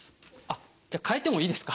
じゃ変えてもいいですか？